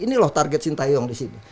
ini loh target sintayong disini